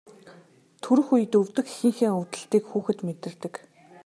Төрөх үед өвдөх эхийнхээ өвдөлтийг хүүхэд мэдэрдэг.